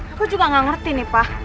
aku juga gak ngerti nih pak